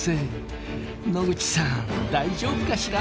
野口さん大丈夫かしら？